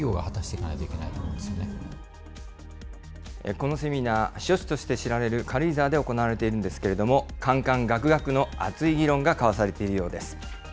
このセミナー、避暑地として知られる軽井沢で行われているんですけれども、かんかんがくがくの熱い議論が交わされているようです。